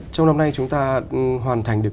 trong năm nay chúng ta hoàn thành được